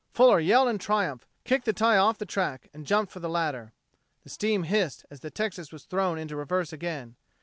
Fuller yelled in triumph, kicked the tie off the track, and jumped for the ladder. The steam hissed as the Texas was thrown into reverse again.